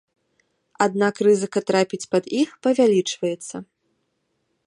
Аднак рызыка трапіць пад іх павялічваецца.